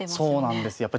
そうなんです。